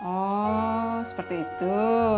oh seperti itu